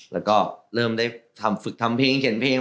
แล้วก็เริ่มได้ทำฝึกทำเพลงเขียนเพลง